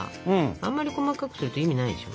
あんまり細かくすると意味ないでしょ。